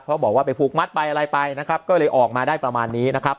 เพราะบอกว่าไปผูกมัดไปอะไรไปนะครับก็เลยออกมาได้ประมาณนี้นะครับ